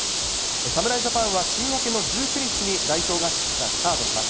侍ジャパンは週明けの１９日に代表合宿がスタートします。